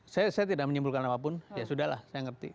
saya tidak menyimpulkan apapun ya sudah lah saya ngerti